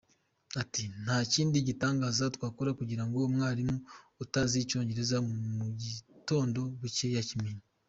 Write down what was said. Ati “Nta kindi gitangaza twakora kugirango umwarimu utazi Icyongereza mu gitondo bucye yakimenye.